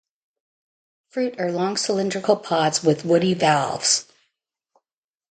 Fruit are long cylindrical pods with woody valves.